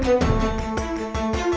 saya udah ngikutin